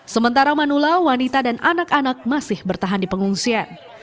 sementara manula wanita dan anak anak masih bertahan di pengungsian